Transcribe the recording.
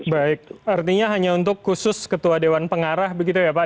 baik artinya hanya untuk khusus ketua dewan pengarah begitu ya pak